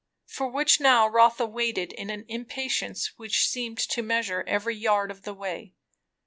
For which now Rotha waited in an impatience which seemed to measure every yard of the way.